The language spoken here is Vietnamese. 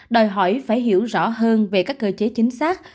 đòi hỏi phải hiểu rõ hơn về các cơ chế chính xác